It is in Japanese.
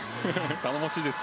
頼もしいです。